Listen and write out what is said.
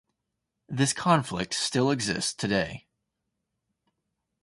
This conflict still exists today.